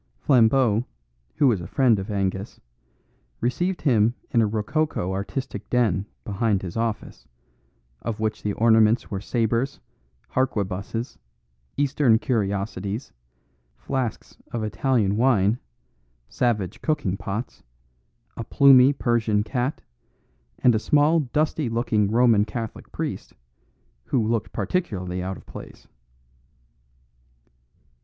Flambeau, who was a friend of Angus, received him in a rococo artistic den behind his office, of which the ornaments were sabres, harquebuses, Eastern curiosities, flasks of Italian wine, savage cooking pots, a plumy Persian cat, and a small dusty looking Roman Catholic priest, who looked particularly out of place.